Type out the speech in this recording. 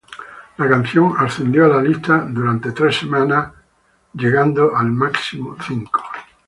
La canción ascendió a la lista por tres semanas eventualmente llegando al máximo cinco.